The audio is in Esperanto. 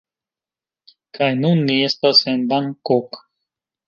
Kaj nun ni estas en Bangkok!